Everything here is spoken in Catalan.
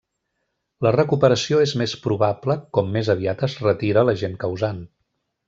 La recuperació és més probable com més aviat es retira l'agent causant.